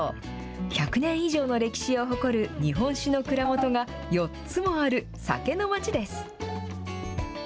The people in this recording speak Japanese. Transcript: １００年以上の歴史を誇る日本酒の蔵元が４つもある酒のまちです。